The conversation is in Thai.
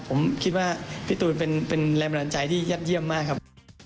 ผมคิดว่าพี่ตูนเป็นแรงบันดาลใจที่ยอดเยี่ยมมากครับ